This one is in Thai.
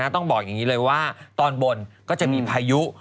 ที่๒๕๒๗ตอนบนก็จะมีภายุ